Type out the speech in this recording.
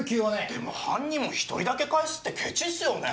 でも犯人も１人だけ返すってケチっすよね。